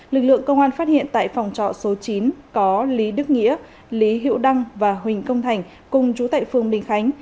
lực lượng công an phát hiện tại phòng trọ số chín có lý đức nghĩa lý hiệu đăng và huỳnh công thành cùng trú tại phường bình khánh